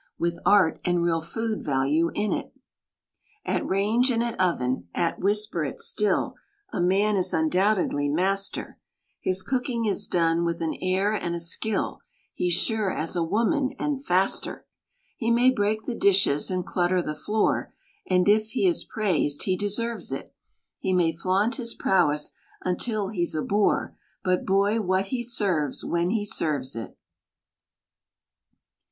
With art — and real food value — in it! At range and at oven, at {whisper it!) still, A man is undoubtedly master; His cooking is done with an air and a skill. He's sure as a woman — and faster! He may break the dishes and clutter the floor. And if he is praised — he deserves it — He may flaunt his prowess until he's a bore. ... But, Boy, what he serves — when he serves it!